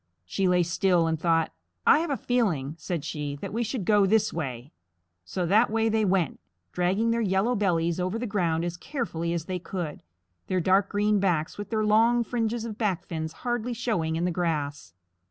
She lay still and thought. "I have a feeling," said she, "that we should go this way." So that way they went, dragging their yellow bellies over the ground as carefully as they could, their dark green backs with their long fringes of back fins hardly showing in the grass.